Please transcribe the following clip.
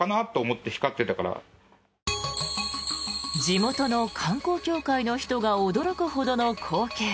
地元の観光協会の人が驚くほどの光景。